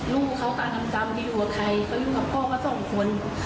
ลูกเขาตามทำกรรมที่หัวไทยเขาอยู่กับพ่อก็สองคน